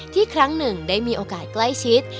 ครั้งหนึ่งได้มีโอกาสใกล้ชิด